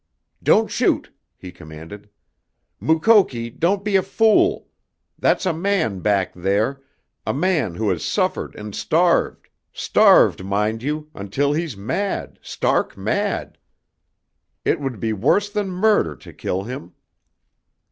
"Don't shoot!" he commanded. "Mukoki, don't be a fool! That's a man back there, a man who has suffered and starved, starved, mind you! until he's mad, stark mad! It would be worse than murder to kill him!"